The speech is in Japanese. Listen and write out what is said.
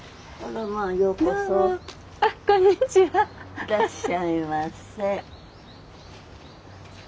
いらっしゃいませ。